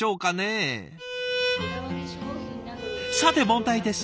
さて問題です。